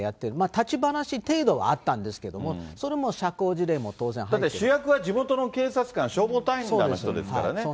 立ち話程度はあったんですけども、だって、主役は地元の警察官、消防隊員らの人ですからね。